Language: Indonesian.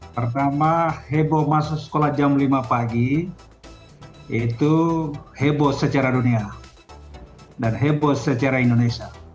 pertama heboh masuk sekolah jam lima pagi itu heboh secara dunia dan heboh secara indonesia